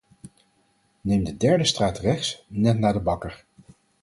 Neem de derde straat rechts, net na de bakker.